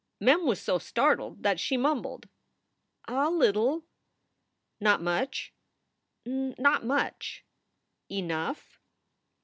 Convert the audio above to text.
Mem was so startled that she mumbled: "A little." "Not much?" "Not much." "Enough?"